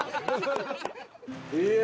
いや！